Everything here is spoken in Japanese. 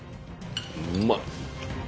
うまい！